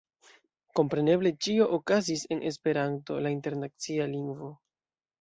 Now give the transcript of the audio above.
Kompreneble ĉio okazis en Esperanto, la internacia lingvo.